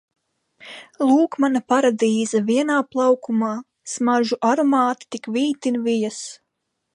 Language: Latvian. Lūk mana paradīze – vienā plaukumā! Smaržu aromāti tik vītin vijas.